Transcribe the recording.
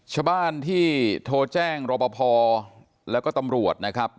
ชาวบ้านที่โทรแจ้งรบพอแล้วก็ตำรวจนะครับ